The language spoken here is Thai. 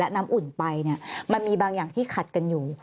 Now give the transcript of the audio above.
น้ำอุ่นไปมันมีบางอย่างที่ขัดกันอยู่